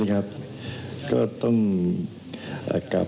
เธอไม่ต้องรับ